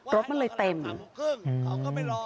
รถมันเลยเต็ม